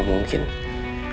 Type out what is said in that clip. kamu tuh ngeldang rooms